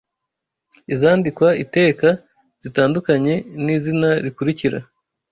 izandikwa iteka zitandukanye n’izina rikurikira